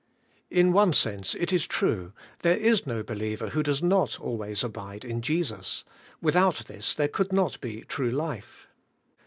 In one sense, it is true, there is no believer who does not always abide in Jesus; without this there could not be true life.